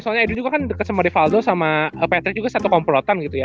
soalnya edw juga kan dekat sama rivaldo sama patrick juga satu komplotan gitu ya